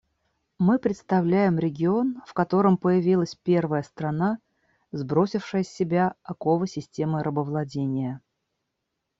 Мы представляем регион, в котором появилась первая страна, сбросившая с себя оковы системы рабовладения.